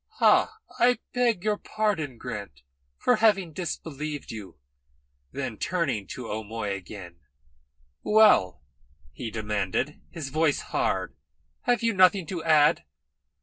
"Ha! I beg your pardon, Grant, for having disbelieved you." Then, turning to O'Moy again: "Well," he demanded, his voice hard, "have you nothing to add?"